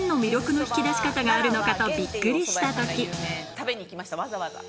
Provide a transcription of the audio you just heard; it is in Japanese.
食べに行きましたわざわざ。